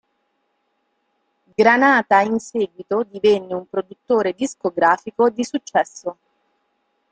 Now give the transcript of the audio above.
Granata in seguito divenne un produttore discografico di successo.